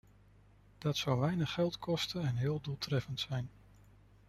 Dat zou weinig geld kosten en heel doeltreffend zijn.